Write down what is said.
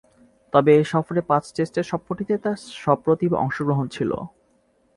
তবে এ সফরে পাঁচ টেস্টের সবকটিতেই তার সপ্রতিভ অংশগ্রহণ ছিল।